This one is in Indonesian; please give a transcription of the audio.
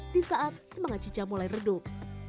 di saat semangat cica mulai redup